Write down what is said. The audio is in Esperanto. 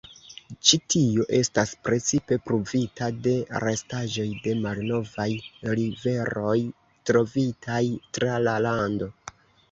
Ĉi tio estas precipe pruvita de restaĵoj de malnovaj riveroj trovitaj tra la lando.